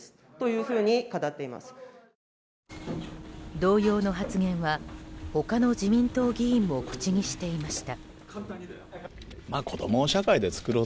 同様の発言は他の自民党議員も口にしていました。